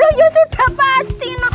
loh ya sudah pasti ma